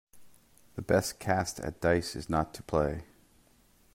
The best cast at dice is not to play.